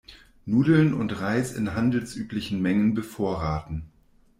Nudeln und Reis in handelsüblichen Mengen bevorraten.